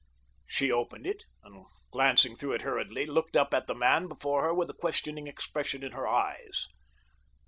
She opened it and, glancing through it hurriedly, looked up at the man before her with a questioning expression in her eyes.